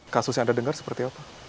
kasus yang anda dengar seperti apa